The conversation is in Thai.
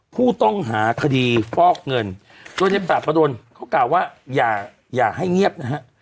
ผู้ต้องหาคดีฟอกเงินโดยในปราบประดนเขากล่าวว่าอย่าให้เงียบนะฮะ